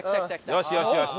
よしよしよし。